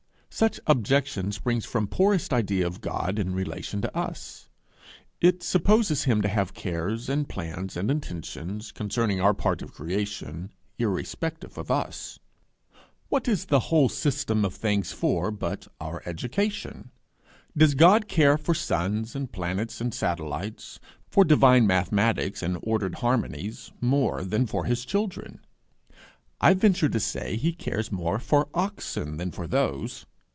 Such objection springs from poorest idea of God in relation to us. It supposes him to have cares and plans and intentions concerning our part of creation, irrespective of us. What is the whole system of things for, but our education? Does God care for suns and planets and satellites, for divine mathematics and ordered harmonies, more than for his children? I venture to say he cares more for oxen than for those.